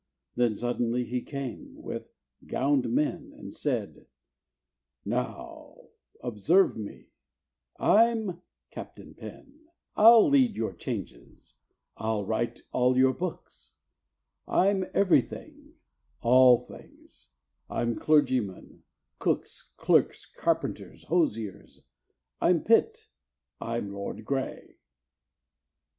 Then suddenly came he, with gowned men, And said, "Now observe me I'm Captain Pen: I'll lead all your changes I'll write all your books I'm every thing all things I'm clergymen, cooks, Clerks, carpenters, hosiers I'm Pitt I'm Lord Grey."